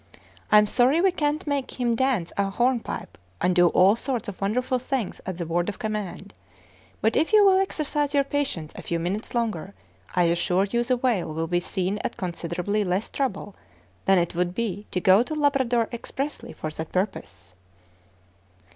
I am sorry we can't make him dance a hornpipe and do all sorts of wonderful things at the word of command; but if you will exercise your patience a few minutes longer, I assure you the whale will be seen at considerably less trouble than it would be to go to Labrador expressly for that purpose."